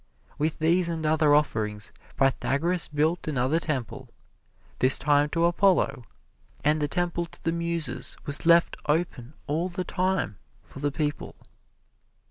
With these and other offerings Pythagoras built another temple, this time to Apollo, and the Temple to the Muses was left open all the time for the people.